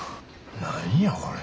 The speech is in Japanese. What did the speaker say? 何やこれ。